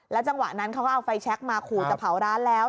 จังหวะนั้นเขาก็เอาไฟแชคมาขู่จะเผาร้านแล้ว